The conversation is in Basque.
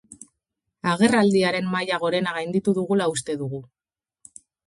Agerraldiaren maila gorena gainditu dugula uste dugu.